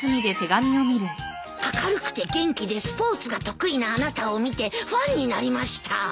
「明るくて元気でスポーツが得意なあなたを見てファンになりました」